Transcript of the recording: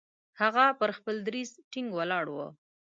هغه پر خپل دریځ ټینګ ولاړ وو.